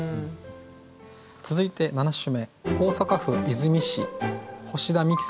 続いて７首目。